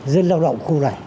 dân lao động khu này